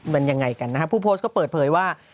มันยังไงกันนะฮะผู้โพสต์ก็เปิดเผยว่า